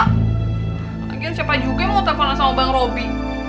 lagi siapa juga yang mau teleponan sama bang robi